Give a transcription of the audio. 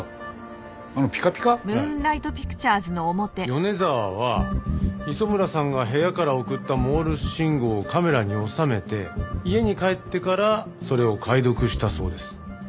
米澤は磯村さんが部屋から送ったモールス信号をカメラに収めて家に帰ってからそれを解読したそうです。